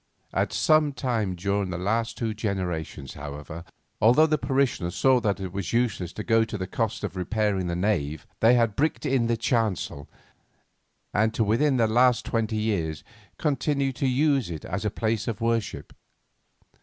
At some time during the last two generations, however, although the parishioners saw that it was useless to go to the cost of repairing the nave, they had bricked in the chancel, and to within the last twenty years continued to use it as a place of worship.